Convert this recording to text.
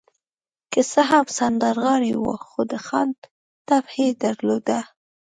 که څه هم سندرغاړی و، خو د خان طبع يې درلوده.